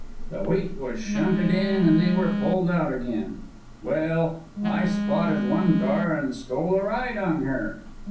The wheat was shunted in, and they were pulled out again. Well, I spotted one car and stole a ride on her.